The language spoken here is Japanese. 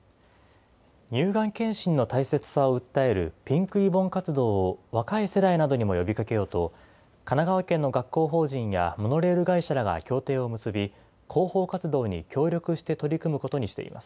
乳がん検診の大切さを訴えるピンクリボン活動を若い世代などにも呼びかけようと、神奈川県の学校法人やモノレール会社らが協定を結び、広報活動に協力して取り組むことにしています。